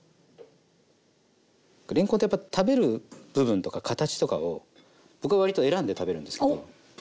れんこんってやっぱ食べる部分とか形とかを僕は割と選んで食べるんですけど。